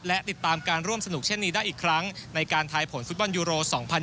และติดตามการร่วมสนุกเช่นนี้ได้อีกครั้งในการทายผลฟุตบอลยูโร๒๐๒๐